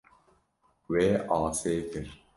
Wê asê kir.